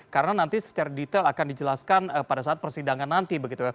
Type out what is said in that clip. karena nanti secara detail akan dijelaskan pada saat persidangan nanti